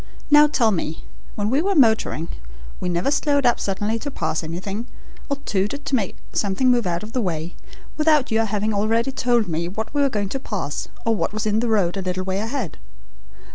Now tell me. When we were motoring we never slowed up suddenly to pass anything, or tooted to make something move out of the way, without your having already told me what we were going to pass or what was in the road a little way ahead.